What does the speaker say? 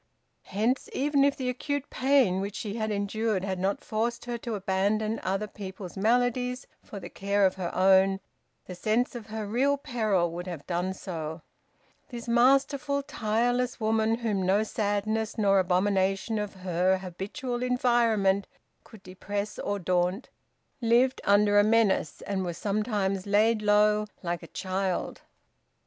Hence, even if the acute pain which she endured had not forced her to abandon other people's maladies for the care of her own, the sense of her real peril would have done so. This masterful, tireless woman, whom no sadness nor abomination of her habitual environment could depress or daunt, lived under a menace, and was sometimes laid low, like a child.